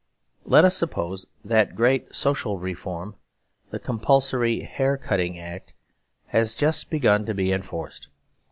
Let us suppose that great social reform, The Compulsory Haircutting Act, has just begun to be enforced.